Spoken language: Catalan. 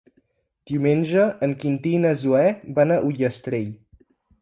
Diumenge en Quintí i na Zoè van a Ullastrell.